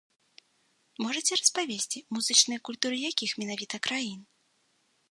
Можаце распавесці, музычныя культуры якіх менавіта краін?